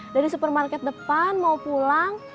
dari supermarket depan mau pulang